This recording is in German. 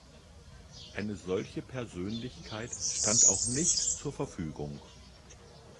Eine solche Persönlichkeit stand auch nicht zur Verfügung.